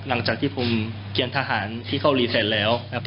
หลังจากที่ผมเกียรทหารที่เกาหลีแสดงแล้ว